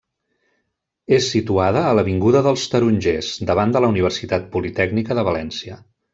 És situada a l'avinguda dels Tarongers, davant de la Universitat Politècnica de València.